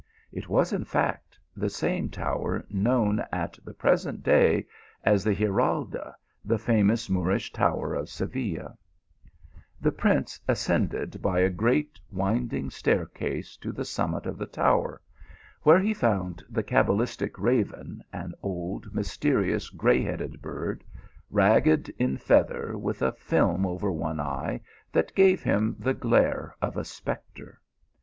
It was, in fact, the same tower known at the present day a$ the Giralda. the famous Moorish tower of Seville. 204 THE ALHAMBRA. The prince ascended by a great winding stairqase to the summit of the tower, where he found the cabalistic raven, an old, mysterious, gray headed bird, ragged in feather, with a film over one eye that gave him the glare of a spectre.